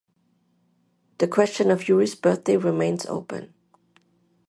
The question of Yuri's birthday remains open.